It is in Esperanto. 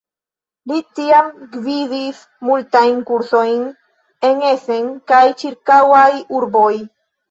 Li tiam gvidis multajn kursojn en Essen kaj ĉirkaŭaj urboj.